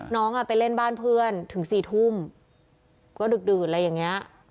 น้องไปเล่นบ้านเพื่อนถึง๔ทุ่มก็ดึกดื่นอะไรอย่างนี้